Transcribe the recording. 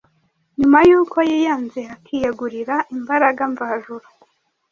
nyuma yuko yiyanze akiyegurira imbaraga mvajuru.